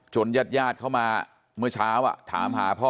ญาติญาติเข้ามาเมื่อเช้าถามหาพ่อ